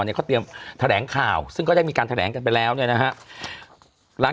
เนี่ยเขาเตรียมแถลงข่าวซึ่งก็ได้มีการแถลงกันไปแล้วเนี่ยนะฮะหลัง